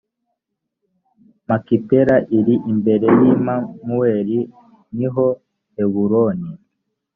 makipela iri imbere y i mamure ni ho heburoni